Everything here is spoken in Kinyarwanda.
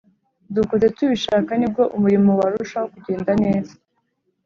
dukoze tubishaka, nibwo umurimo warushaho kugenda neza